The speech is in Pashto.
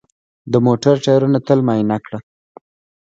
د موټر ټایرونه تل معاینه کړه.